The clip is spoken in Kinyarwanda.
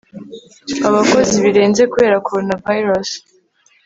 Abakozi Birenze Kubera Coronavirus